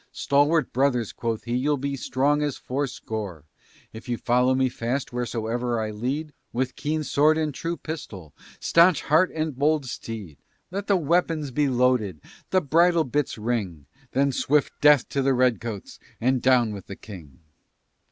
"Stalwart brothers," quoth he, "you'll be strong as fourscore, If you follow me fast wheresoever I lead, With keen sword and true pistol, stanch heart and bold steed. Let the weapons be loaded, the bridle bits ring, Then swift death to the Redcoats, and down with the King!"